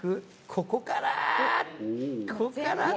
ここかな？